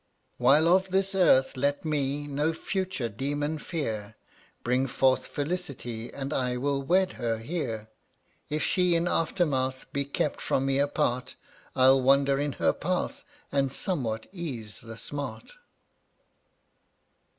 0Utt<J 153 While of this earth let me (ftftlAt* No future demon fear; JvJ Bring forth Felicity (KC/ And I will wed her here. If she in Aftermath Be kept from me apart, I'll wander in her path And somewhat ease the smart.